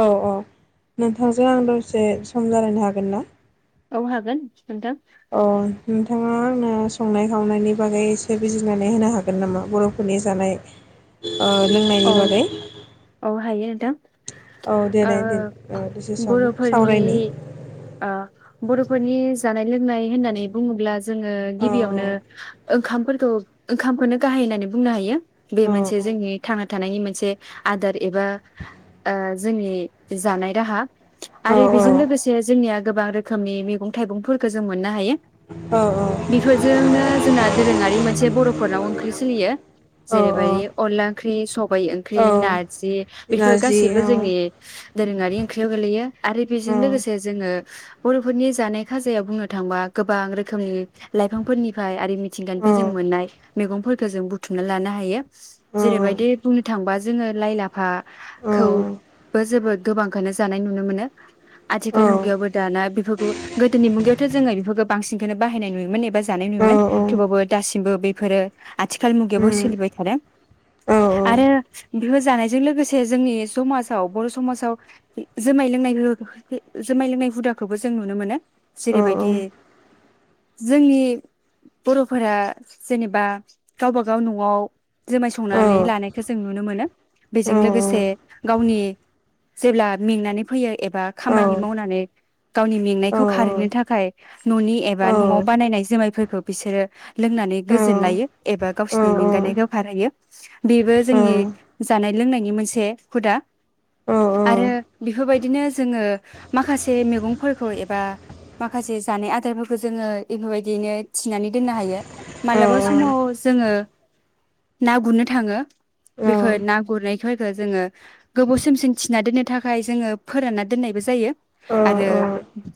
औ औ नोंथांजों आं दसे सम रलायनो हागोन ना औ हागोन नोंथां औ नोंथाङा आंनो संनाय खावनायनि बागै एसे बिजिनानै होनो हागोन नामा बर'फोरनि जानाय ओ लोंनायनि बागै दा औ देनाय दे ओ दसे सावनि बर'फोरनि सावरायनायनि ओ बर'फोरनि जानाय लोंनाय होननानै बुङोब्ला जोङो गिबियावनो औ ओंखामफोरखौ ओंखामखौनो गाहाय होननानै बुंनो हायो बे औ मोनसे जोंनि थांना थानायनि मोनसे आदार एबा ओ जोंनि जानाय राहा आरो औ बेजों लोगोसे जोंनिया गोबां रोखोमनि मैगं थाइगंफोरखौ जों मोननो हायो । औ बेफोरजोंनो जोंना दोरोङारि मोनसे बर'फोरनाव ओंख्रि सोलियो औ जेरैबाय अला ख्रि सबाइ ओंख्रि नार औ जि बेफोर नारजि गाैबो औ जोंनि दोरोङारि ख्रियाव गोगलैयो आरो बेजों औ लोगोसे जोङो बर'फोरनि जानाय खाजायाव बुंनो थांबा गोबां रोखोमनि लाइफांफोरनिफ्राय आरो मिथिंगानिफ्राय औ जों मोननाय मैगंफोरखौ जों बुथुमना लानो हायो । औ जेरैबायदि बुंनो थांबा जोङो लाइ औ लाफाखौबो जोबोद गोबांखौनो जानाय नुनो मोनो औ आथिखाल मुगायावबो दाना बेफोरखौ गोदोनि मुगायावथ' जोङो बेफोरखौ बांसिनखौो बाहायनाय नुयोमोन एबा जानाय औ नुयोमोन थेवाबबो दासिमबो बेफोरो आथिखाल मुगायावबो उम सोलिबाय थादों । औ आरो बिहो जानायजों लोगोसे जोंनि समाजाव बर' समाजाव जुमाय लोंनाय जुमाय लोंनाय हुदाखौबो जों नुनो मोनो । औ जेरैबायदि जोंनि बर'फोरा जेनेबा गावबा गाव न'आव जोमाय स औ संनानै लानायखौ जों नुनो मोनो बेजों लोगोसे गावनि जेब्ला मेंनानै फैयो । एबा खामानि औ मावनानै गावनि औ मेंनायखौ खारहैनो थाखाय न'नि औ एबा न'आव औ बानायनाय जोमायफोरखौ बिसोरो लोंनानै औ गोजोन लायो । एबा गावसिनि मेंगानायखौ फारहायो । बेबो जोंनि जानाय लोंनायनि मोनसे हुदा । आरो बेफोरबायदिनो जोङो माखासे मेगंफोरखौ एबा माखासे जानाय आदारफोरखौ जोङो बेफोरबायदियैनो थिनानै दोननो हायो । मालाबा समाव जोङो ना गुरनो थाङो बेफोर औ ना गुरनायफोरखौ जोङो गोबाव समसिम थिना दोननो थाखाय जोङो फोरानना दोननायबो जायो । आरो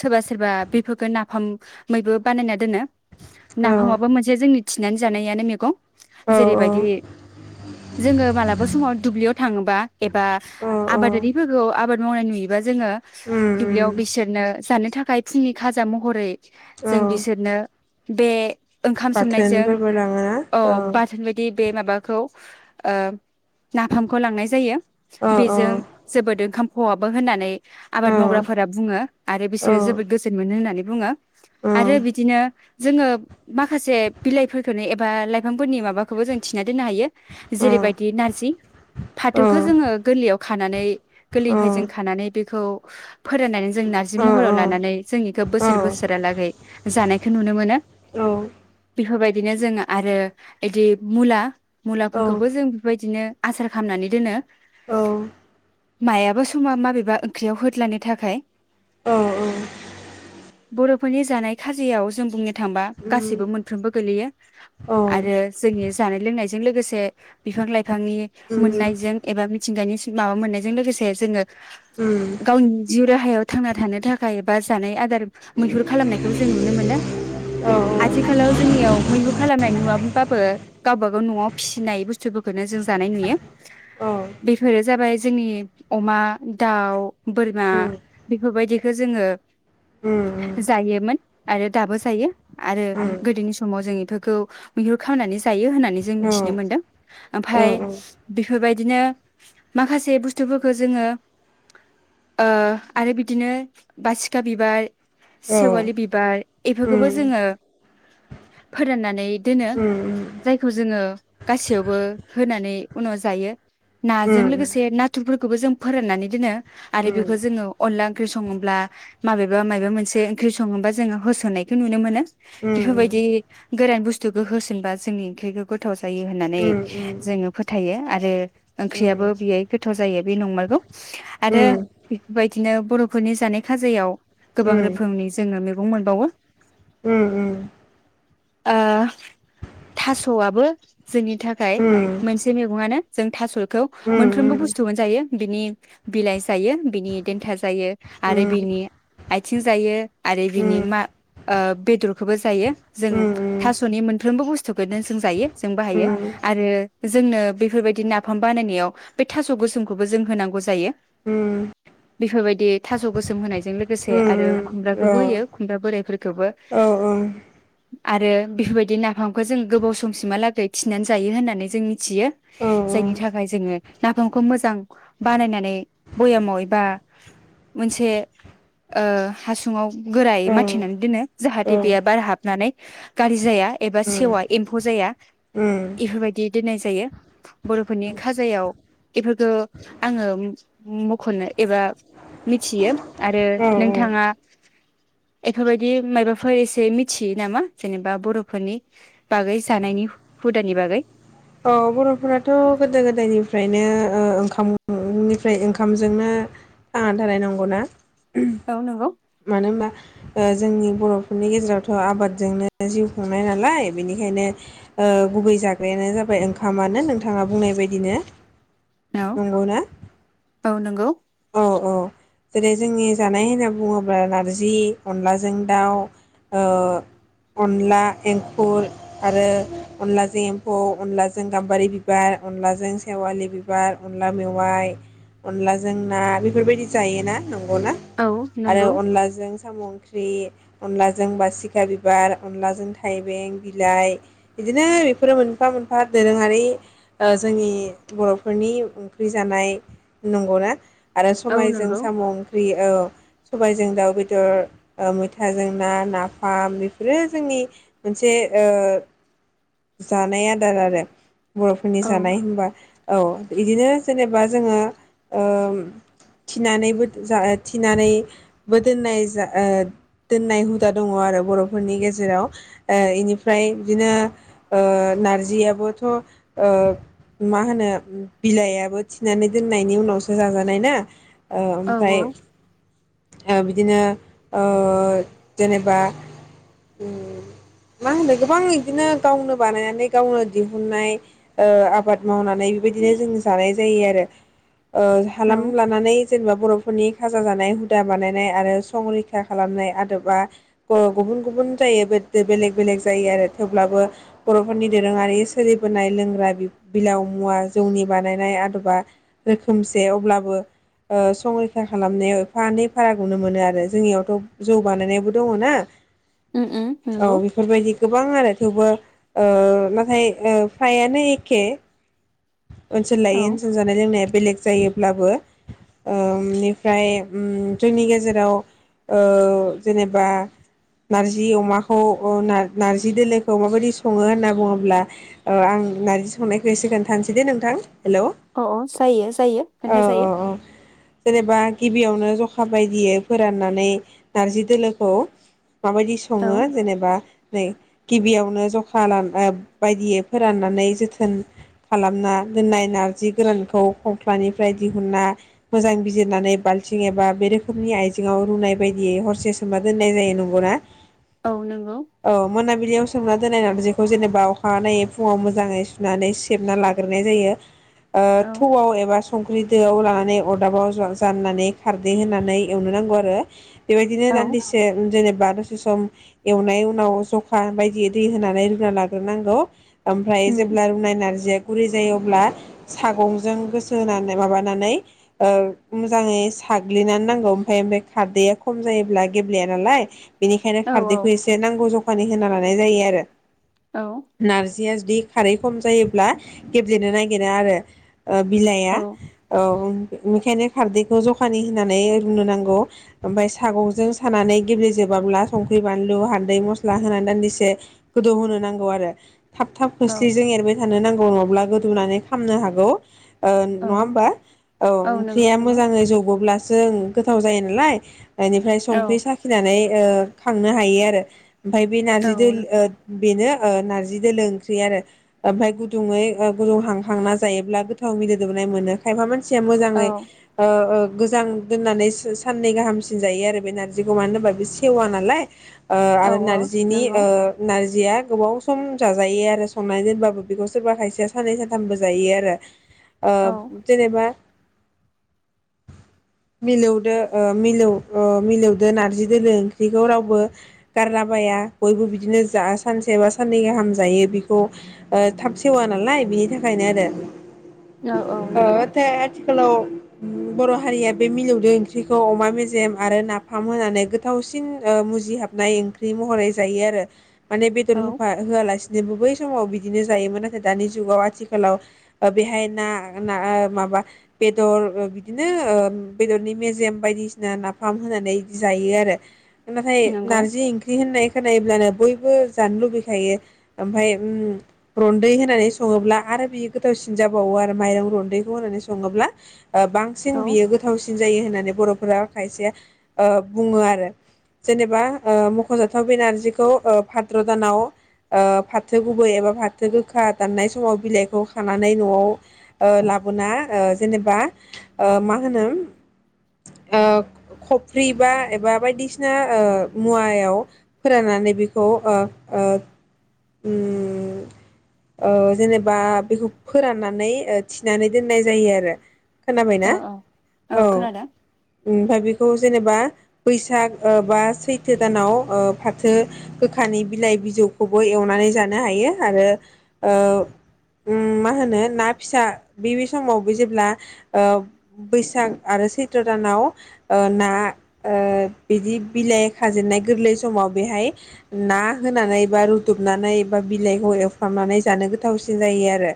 सोरबा सो सोरबा बेफोरखौ नाफामैबो बानायना दोनो। नाफामाबा मोनसे जोंनि थिनानै जानायानो मेगं। औ औ। जोंओ मालाबा समाव दुुब दुब्लियाव थाङोबा एबा औ आबादारिफोरखौ आबाद मावनाय नुयोबा जोङो उम उम दुब्लियाव । बिसोरनो जानो थाखाय फुंनि खाजा महरै औ जों बिसोरनो। बे ओंखाम सोमनायजों बाथोनफोरबो लाङोना अ औ बाथोन बायदि बे माबाखौ ओ नाफामखौ लांनाय जायो औ । बेजों जोबोद ओंखाम खहाबो होननानै औ आबाद मावग्राफोरा बुङो । आरो औ बिसोरो जोबोद गो जोन मोनो होननानै बुङो औ उम आरो बिदिनो जोङो माखासे बिलाइफोरखोनो एबा लाइफांफोरनि माबा खौबो जों थिना दोननो हायो औ जेरैबायदि नार्जि फाथौखौ जोङो गोरलैयाव खानानै गोरलैनिफ्राय जों खानानै बेखौ फोराननानै जों नार्जि महराव लानानै जों इखो बोसोर बोसोरहालागै जानायखौ नुनो मोनो औ बेफोरबायदिनो जोङो आरो एदि मुला मुलाफोरखौबो जों [unintelligible] दिनो आसार खामनानै दोनो मायाबा समा माबेबा ओंख्रियाव होदलानो थाखाय औ औ बर'फोरनि जानाय खाजायाव जों बुंनो थांबा उम गासैबो मोनफ्रोमबो गोलैयो औ जोंङो जानाय लोंनायजों लोगोसे बिफां लाइ फांनि मोननायजों एबा बिब मिथिंगानि माबा मोननायजों लोगोसे जोङो उम गावनि जिउ राहायाव थांना थानो थाखाय बा जानाय आदार मैहुर खालामनायखौ जों नुनो मोनो आथिखालाव जोंनियाव मैहुर खालामनाय नुवा [unintelligible] बो गावबा गाव न'आव फिसिनाय बुस्थुफोरखौनो जों जानाय नुयो बेफोरो जाबाय जोंनि अमा दाउ बोरमा बेफोरबायदिखौ जोङो उम जायोमोन आरो दाबो जायो आरो उम गोदोनि समाव जों इफोरखौ मैहु खावनानै जायो होनना नै जों औ थिनो मोनदों ओमफाय बि बेफोरबायदिनो माखासे बुस्थुफोरखौ जोङो ओ आरो बिदिनो बासिखा बिबार सेवालि बिबार इफोरखौबो जोङो फोराननानै दोनो जायखौ जोङो गासैयावबो होनानै उनाव जायो नाजों लोगोसे नाथुरफोरखौबो जों फोराननानै दोनो आरो बेखौ जोङो अनला ओंख्रि सङोब्ला माबेबा मायबा मोनसे ओंख्रि सङोबा जोङो होसननायखौ नुनो मोनो बेफोरबायदि गोरान बुस्थुखौ होस जेनबा जोंनि ओंख्रिखौ गोथाव जायो होन्नानै जोङो फो थायो आरो ओंख्रियाबो बेहाय गोथाव जायो बे नंमारगौ आरो [unintelligible] बायदिनो बर'फोरनि जानाय खाजायाव गोबां रोखोमनि जोङो [unintelligible] गं मोनबावो ओ थास'आबो जोंनि थाखाय मोनसे मैगंआनो जों थास'खौ मोनफ्रोमबो बुस्थुखोनो जायो बिनि बिलाइ जायो बिनि देन्था जायो आरो बिनि आय आथिं जायो। आरो बिनि मा ओ बेदरखौबो जायो जोङो थास'नि मोनफ्रोमबो बुस्थुखौनो जों जायो। जों बाहायो आरो जोंनो बेफोरबायदि नाफाम बानायनायाव बे थास' गोसोमखौबो जों होनांगौ जायो। उम बेफोरबायदि थास' गोसोम होनाय जों लोगोसे खुमब्राखौबो होयो खुमब्रा बोराय खौबो आरो बेफोरबायदिनो नाफामखौ जोङो गोबाव समसिमहालागै खिनानै जायो होननानै जों मिथियो जायनि थाखाय जोङो नाफामखौ मोजां बानायनानै भयामाव एबा मोनसे हासुङाव गोरायै माथिनानै दोनो। जाहाथे बियो बार हाब नानै गारजि जाया एबा सेवा एम्फौ जाया इफोरबायदि दोननाय जायो बर'फोरनि खाजायाव बेफोरखौ आङो मख'नो एबा मिथियो। आरो नोंथाङा एफोरबायदि माबाफोर एसे मिथियो नामा जेनेबा बर' फोरनि बागै जानायनि हुदानि बागै अ बर'फोराथ' गोदो गोदायनिफ्रायनो ओंखाम निफ्राय ओंखामजोंनो थांना थानाय नंगौ ना औ नंगौ ओ जोंनि बर'फोरनि गेजेरावथ' आबादजोंनो जिउ खुंनाय नालाय बेनिखायनो गुबै जाग्रायानो जाबाय ओंखामानो नोंथाङा बुंनाय बायदिनो नंगौना? औ नंगौ औ औ जेरै जोंनि जानाय होनना बुङोब्ला नारजि अनलाजों दाउ ओ अनला एंखुर आरो अनलाजों एम्फौ अनलाजों गाम्बारि बिबार अनलाजों सेवालि बिबार अनला मेवाइ अनलाजों जोंना बेफोरबायदि जायोना नंगौना औ आरो नंगौ अनलाजों साम' ओंख्रि अनलाजों बासिखा बिबार अनलाजों थाइबें बिलाइ बिदिनो बेफोरो मोनफा मोनफा दोरोङारि ओ जोंनि बर'फोरनि ओंख्रि जानाय नंगौना। आरो औ समायजों नंगौ साम' ओंख्रि औ सबायजों दाउ बेदर मैथाजों ना नाफाम बेफोरो जोंनि मोनसे जानाय आदार आरो। बर'फोरनि औ जानाय होनबा औ बिदिनो जेनेबा जोङो ओ थिनानैबो जा थिनानैबो दोननाय जा ओ दोननाय हुदा दङ आरो बर'फोरनि गेजेराव इनिफ्राय बिदिनो ओ नारजियाबोथ' ओ। मा होनो बिलायाबो थिनानै दोननायनि उनावसो जाजानाय ना ओ औ ओमफ्राय औ ओ बिदिनो ओ जेनेबा ओ मा होनो गोबां इदिनो गावनो बानायनानै गावनो दिहुनन्नाय ओ आबाद मावनानै बेबायदिनो जों जानाय जायो आरो ओ औ हालाम लानानै जेनेबा बर' नि खाजा जानाय हु दा बानायनाय आरो संरैखा खालामनाय आदबा ओ गुबुन गुबुन जायो बे बेलेग बेलेग जायो आरो थेवब्लाबो बर'फोरनि दोरोङारि सोलिबोनाय लोंग्रा बिब बिलाव मुवा जौनि बानायनाय आदबा रोखोमसे अब्लाबो ओ संरैखा खालामनायाव फानै फाराग नुनो मोनो आरो जोंनियावथ' जौ बानायनायबो दङ ना उम उम औ नंगौ बेफोरबायदि गोबां आरो थेवबो ओ नाथाय नो फ्रायानो एखे ओनसोल लायै औ ओनसोल जानाय लोंनाया बेलेग जायो ब्लाबो ओ इनिफ्राय ओम जोंनि गेजेराव ओ जेनेबा नारजि अमाखौ ओ नार नारजि दोलोखौ माबायदि सङो होनना बुङोब्ला ओ आं नार्जि संनायखौ एसे खोन तानोसै दे नोंथां अ अ जायो जायो औ खोनथा औ जायो। जेनेबा गिबियावनो जखा बायदियै फोराननानै नारजि दोलोखौ माबायदि औ सङो जेनेबा नै गिबियावनो जखा लाना बायदियै फोराननानै जोथोन खालामना दोननाय नारजि गोरानखौ खंख्लानिफ्राय दिहुनना मोजां जिरनानै बाल्थिं एबा बे रोखोमनि आइजेंआव रुनाय बायदियै हरसे सोमना दोननाय जायो नंगौना? औ नोंगौ बिलियाव सोमना दोननाय नारजिखौ जेनेबा अखानायै फुंआव मोजांयै सुनानै सेबना लाग्रोनाय जायो। ओ औ थौआव एबा संख्रि दोआव लानानै अरदाबाव जा-जाननानै खारदै होनानै एवनो नांगौ आरो बेबायदिनो औ दान्दिसे जेनेबा दसे सम एवनाय उनाव ज'खा बायदि दै होनानै रुना लाग्रोनांगौ ओमफ्राय उम जेब्ला रुनाय नारज जे गुरै जायो अब्ला सागंजों गोसो होनानै माबानानै ओ मोजाङै साग्लिनानै नांगौ ओमफ्राय ओमफ्राय खारदैया खम जायोब्ला गेब्लेया नालाय बेनिखायनो औ खारदैखौ एसे नांगौ ज' खानि होना लानाय जायो आरो औ नारजिया जु जुदि खारै खम जायोब्ला गेब्लेनो नागिरा आरो ओ बिलाइआ औ औ बेखायनो खारदैखौ जखानि होनानै रुनो नांगौ ओमफाय सागंजों सानानै गेब्लेेजोबाब्ला संख्रि, बानलु, हालदै, म'स्ला होनानै दान्दिसे गोदौ होनोनो नांगौ आरो थाब-थाब औ खोस्लिजों एरबाय थानो नां अङब्ला गोदौनानै खामनो हागौ ओ औ नङा होमबा औ नंगौ ओंख्रिया नंगौ मोजाङै जबोब्ला जों गोथाव जायो नालाय एनिफ्राय औ संख्रि साखिनानै ओ खांनो हायो आरो ओमफाय बे औ नारजि दोल ओ बेनो ओ नारजि दोलो ओंख्रि आरो ओमफाय गु दुङै ओ गुदुं हां हांना जायोब्ला गोथाव मिदोदौनाय मोनो खायफा मोनस से औ मोजाङै ओ ओ मोजां दोननानै साननै गाहामसिन जायो आरो बे नारजिखौ मानो होनबा बे सेवा नालाय ओ औ आरो नारजिनि नंगौ ओ नारजिया गोबाव सम जाजायो आरो संनानै दोनबाबो बेखौ सोरबा खायसेया साननै सानथामबो जायो आरो औ ओ जेनेबा मिलौदो ओ मिलौ ओ मिलौदो नारजि दोलो ओंख्रिखौ रावबो गारलाबाया बयबो बिदिनो जा सानसेबा साननै गाहाम जायो बिखौ ओ थाब सेवा नालाय बिनि थाखायनो आरो ओ औ नोंगौ आथिखालाव बर' हारिया बे मिलौदो ओंख्रिखौ अमा मेजेम आरो नाफाम होनानै गोथावसिन ओ मुजिहाबनाय ओंख्रि महरै जायो आरो माने बेदर औ होफा होआलासिनो जेनबो बै समाव बि बिदिनो जायोमोन नाथाय दानि जुगाव आथिखालाव बेहाय ना ना ओ माबा बेदर बिदिनो ओ बेदरनि मेजेम बायदिसिना नाफाम होनानै जायो आरो नाथाय नंगौ नारजि ओंख्रि होननाय खोनायोब्लानो बयबो जानो लुबैखायो ओमफाय उम रन्दै होनानै सङोब्ला आरो बियो गोथावसिन जाबावो आरो माइरं रन्दैखौ होनानै सङोब्ला बांसिन औ बियो गोथावसिन जायो होननानै बर'फोरा खायसे ओ बुङो आरो ओ जेनेबा मख'जाथाव बेनारजिखौ ओ भाद्र दानाव ओ फाथो गुबै एबा फाथो गोखा दाननाय समाव बिलाइखौ खानानै न'आव ओ लाबोना ओ जेनेबा ओ मा होनो ओ खफ्रि बा एबा बायदिसिना ओ मुवायाव फोराननानै बेखौ आ ओ उम आ जेनेबा बेखौ फोराननानै थिनानै दोननाय जायो आरो औ खोनाबायनाा औ ओमफ्राय बे खौ जेनेबा बैसाग ओ बा सैथो दानाव फाथो ओ गोखानि बिलाइ बिजौखौ एवनानै जानो हायो आरो ओ उम मा होनो ना फिसा बे समावबो जेब्ला ओ बैसाग आरो सैथ्र दानाव ओ ना ओ बिदि बिलाइ खाजेननाय गोरलै समाव बेहाय ना होनानै बा दुबनानै बा बिलाइखौ एवफ्रामनानै जानो गोथावसिन जायो आरो।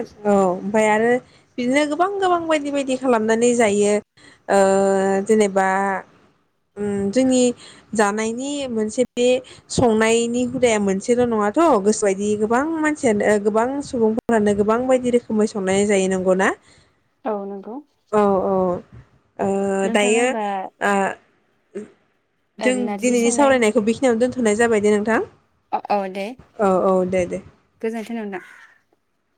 औ। ओमाय आरो बिदिनो गोबां गोबां बायदि बायदि खालामनानै जायो ओ जेनेबा उम जोंनि जानायनि मोनसे बे संनाय नि हुदाया मोनसेल' नङाथ' गोसो बायदि गोबां मानसियानो गोबां सुबुंफोरानो गोबां बायदि रोखोमै संनाय जायो नंगौना? औ नंगौ औ औ ओ नोंथाङा दायो होनबा आ ओ जों नारजि दिनैनि संनाय सावरायनायखौ बेखिनियावनो दोनथ'नाय जाबाय दे नोंथां। औ दे औ औ दे दे। [unintelligible]